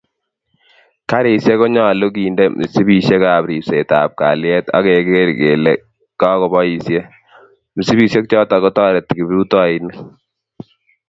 Garisyek konyolu kende msipisyekab ribseetab kalyet ak keger kele kakiboisye, msipisyechotok kotoreti kiprutoinik